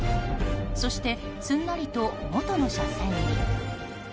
そして、すんなりと元の車線へ。